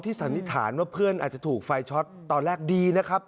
สันนิษฐานว่าเพื่อนอาจจะถูกไฟช็อตตอนแรกดีนะครับ